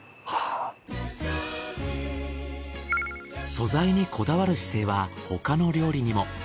素材にこだわる姿勢は他の料理にも。